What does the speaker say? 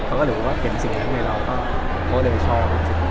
แล้วเราก็เพราะเด็กชอบ